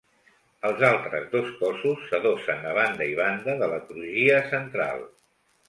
Els altres dos cossos s'adossen a banda i banda de la crugia central.